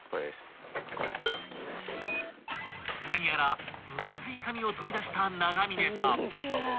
［何やら分厚い紙を取り出した長峯さん］